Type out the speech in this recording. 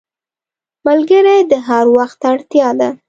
ملګری د هر وخت اړتیا ده